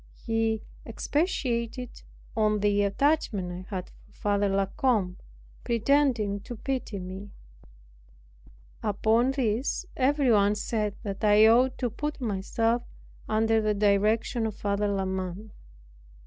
He expatiated on the attachment I had for Father La Combe, pretending to pity me. Upon this everyone said that I ought to put myself under the direction of Father La Mothe.